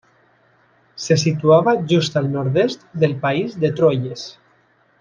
Se situava just al nord-est del país de Troyes.